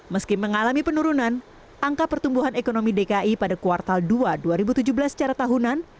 meski mengalami penurunan angka pertumbuhan ekonomi dki pada kuartal dua dua ribu tujuh belas secara tahunan